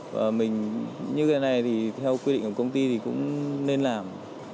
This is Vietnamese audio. và mình như cái này thì theo quy định của công ty thì cũng nên làm